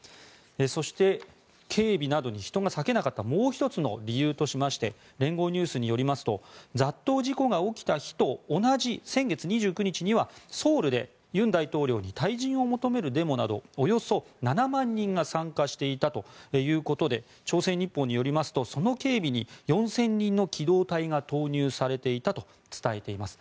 そして、警備などに人が割けなかったもう１つの理由として連合ニュースによりますと雑踏事故が起きた日と同じ日の先月２９日には、ソウルで尹大統領に退陣を求めるデモなどおよそ７万人が参加していたということで朝鮮日報によりますとその警備に４０００人の機動隊が投入されていたと伝えています。